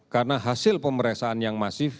karena hasil pemeriksaan yang masif